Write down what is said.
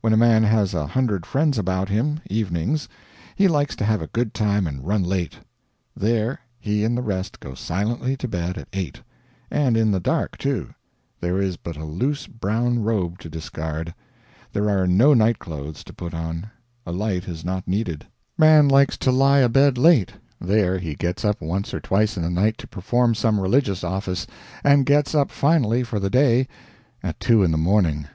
When a man has a hundred friends about him, evenings, he likes to have a good time and run late there he and the rest go silently to bed at 8; and in the dark, too; there is but a loose brown robe to discard, there are no night clothes to put on, a light is not needed. Man likes to lie abed late there he gets up once or twice in the night to perform some religious office, and gets up finally for the day at two in the morning.